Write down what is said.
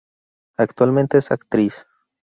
Actualmente es actriz.